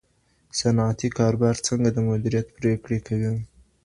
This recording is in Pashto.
صنعتي کاروبار څنګه د مدیریت پریکړې کوي؟